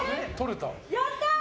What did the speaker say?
やったー！